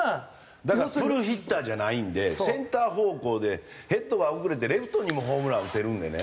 だからプルヒッターじゃないんでセンター方向でヘッドが遅れてレフトにもホームラン打てるんでね。